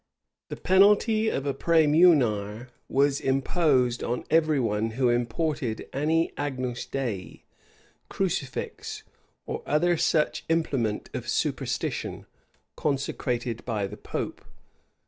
The penalty of a præmunire was imposed on every one who imported any Agnus Dei, crucifix, or such other implement of superstition, consecrated by the pope.